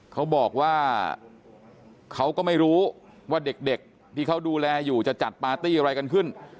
เขาบอกว่าเขาก็ไม่รู้ว่าเด็กที่เขาดูแลอยู่จะจัดปาร์ตี้อะไรกันขึ้น